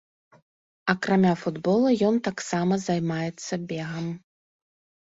Акрамя футбола, ён таксама займаецца бегам.